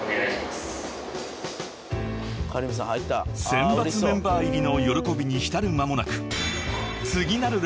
［選抜メンバー入りの喜びに浸る間もなく次なる］